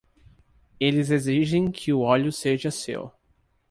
Eles exigem que o óleo seja seu.